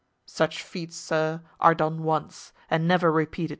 "Such feats, sir, are done once—and never repeated."